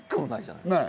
ない。